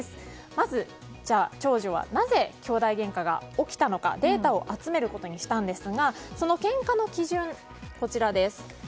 まず長女はなぜきょうだいげんかが起きたのかのデータを集めることにしたんですがそのけんかの基準、こちらです。